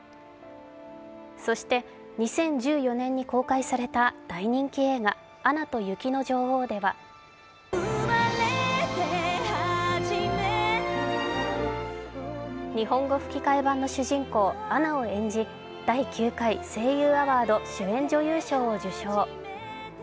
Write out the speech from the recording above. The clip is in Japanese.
そして２０１４年に公開された大人気映画、「アナと雪の女王」では日本語吹き替え版の主人公・アナを演じ第９回声優アワード主演女優賞を受賞。